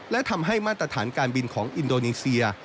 และทำให้มาตรฐานการบินของอินโดนีเซีย